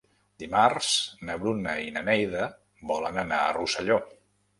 Dimarts na Bruna i na Neida volen anar a Rosselló.